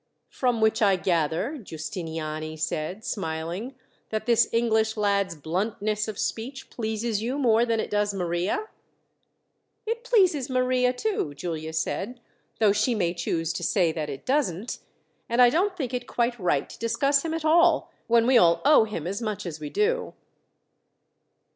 "From which I gather," Giustiniani said, smiling, "that this English lad's bluntness of speech pleases you more than it does Maria?" "It pleases Maria, too," Giulia said, "though she may choose to say that it doesn't. And I don't think it quite right to discuss him at all, when we all owe him as much as we do."